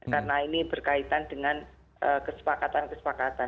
karena ini berkaitan dengan kesepakatan kesepakatan